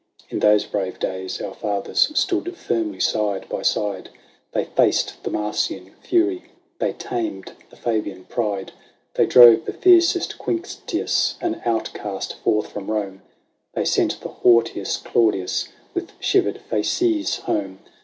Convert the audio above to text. In those brave days our fathers stood firmly side by side ; They faced the Marcian fury ; they tamed the Fabian pride : Tliey drove the fiercest Quinctius an outcast forth from Rome ; They sent the haughtiest Claudius with shivered fasces home.